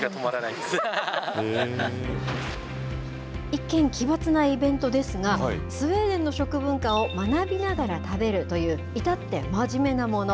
一見、奇抜なイベントですが、スウェーデンの食文化を学びながら食べるという、至って真面目なもの。